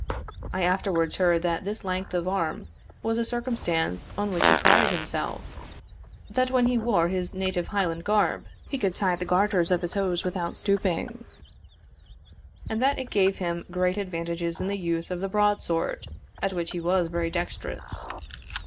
I afterwards heard that this length of arm was a circumstance on which he prided himself; that when he wore his native Highland garb, he could tie the garters of his hose without stooping; and that it gave him great advantage in the use of the broad sword, at which he was very dexterous.